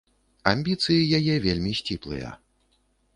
Амбіцыі яе вельмі сціплыя.